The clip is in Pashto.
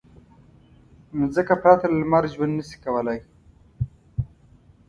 مځکه پرته له لمر ژوند نه شي کولی.